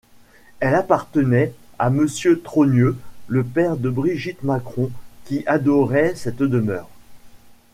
Elle appartenait à Monsieur Trogneux, le père de Brigitte Macron, qui adorait cette demeure.